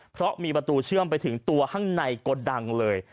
เพราะมีประตูเชื่อมไปถึงตัวข้างในโกดังเลย